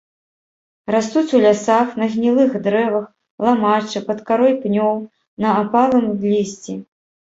Растуць у лясах, на гнілых дрэвах, ламаччы, пад карой пнёў, на апалым лісці.